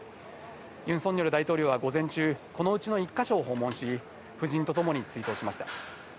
ユン・ソンニョル大統領は午前中、このうちの１か所を訪問し、夫人とともに追悼しました。